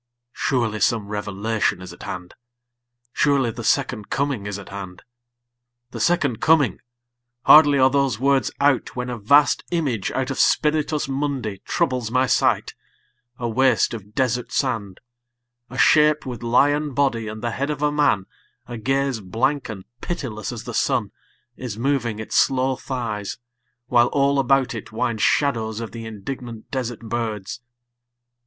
Surely some revelation is at hand; Surely the Second Coming is at hand. The Second Coming! Hardly are those words out When a vast image out of Spiritus Mundi Troubles my sight: a waste of desert sand; A shape with lion body and the head of a man, A gaze blank and pitiless as the sun, Is moving its slow thighs, while all about it Wind shadows of the indignant desert birds.